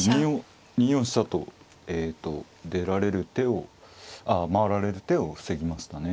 ２四飛車とえと出られる手をあ回られる手を防ぎましたね。